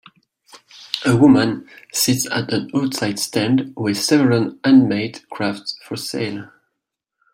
A woman sits at an outside stand with several hand made crafts for sale.